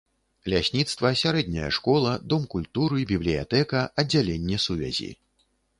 Лясніцтва, сярэдняя школа, дом культуры, бібліятэка, аддзяленне сувязі.